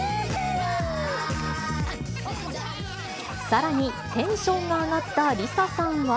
さらに、テンションが上がったＬｉＳＡさんは。